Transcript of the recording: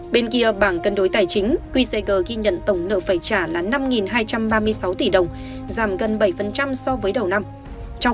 bên kia bảng cân đối tài chính qcg ghi nhận tổng nợ phải trả là năm hai trăm ba mươi sáu tỷ đồng giảm gần bảy so với đầu năm